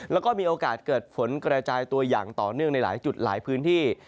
แล้วก็มีโอกาสเกิดฝนกระจายตัวอย่างต่อเนื่องในหลายจุดหลายพื้นที่